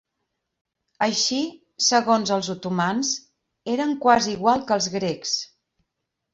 Així, segons els otomans, eren quasi igual que els grecs.